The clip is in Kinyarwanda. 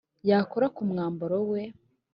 yakora ku mwambaro we,